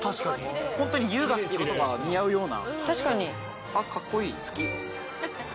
ホントに優雅っていう言葉が似合うような。